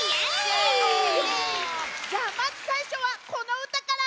じゃあまずさいしょはこのうたから！